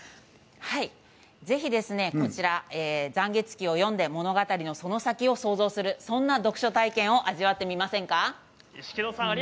ぜひ「残月記」を読んで物語のその先を想像するそんな読書体験を味わってみませんか。